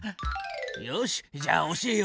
よしじゃあ教えよう。